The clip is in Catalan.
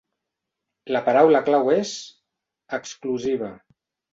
La paraula clau és «exclusiva»!